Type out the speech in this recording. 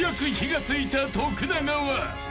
［徳永は］